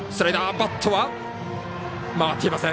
バットは回っていません。